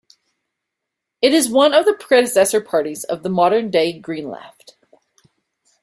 It is one of the predecessor parties of the modern-day GreenLeft.